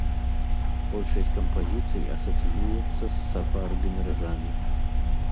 Большасць кампазіцый асацыюецца з сафары ды міражамі.